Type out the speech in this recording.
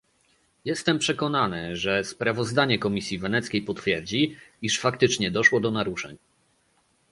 Jestem przekonany, że sprawozdanie Komisji Weneckiej potwierdzi, iż faktycznie doszło do naruszeń